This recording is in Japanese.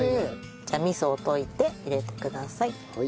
じゃあ味噌を溶いて入れてください。